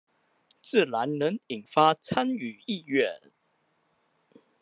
自然能引發參與意願